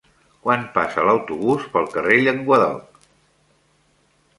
Quan passa l'autobús pel carrer Llenguadoc?